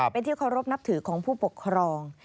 เป็นที่เคารพนับถือของผู้ปกครอง